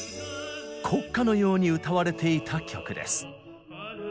国歌のように歌われていた曲です。